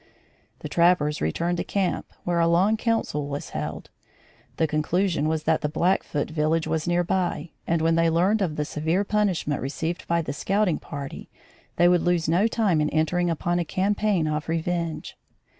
The trappers returned to camp, where a long council was held. The conclusion was that the Blackfoot village was near by, and when they learned of the severe punishment received by the scouting party, they would lose no time in entering upon a campaign of revenge.